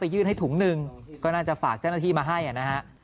ยื่นให้ถุงหนึ่งก็น่าจะฝากเจ้าหน้าที่มาให้นะฮะ